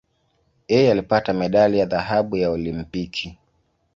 Yeye alipata medali ya dhahabu ya Olimpiki.